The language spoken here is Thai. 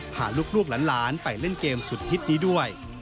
พาลูกหลานไปเล่นเกมสุดฮิตนี้ด้วย